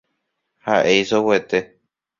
Ha’e isoguete.